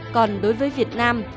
còn đối với việt nam